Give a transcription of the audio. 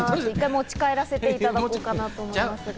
持ち帰らせていただこうかなと思います。